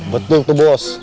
betul tuh bos